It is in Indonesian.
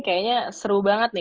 kayaknya seru banget nih